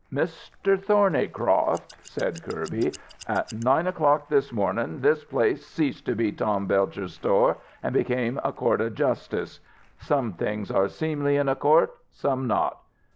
"Mr. Thornycroft," said Kirby, "at nine o'clock this mornin' this place ceased to be Tom Belcher's sto', an' become a court of justice. Some things are seemly in a court, some not.